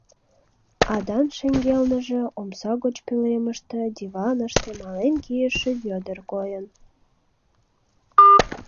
Адан шеҥгелныже, омса гоч пӧлемыште, диваныште мален кийыше Вӧдыр койын.